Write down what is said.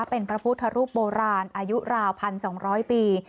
เป็นพระพุทธรูปโบราณอายุราว๑๒๐๐ปี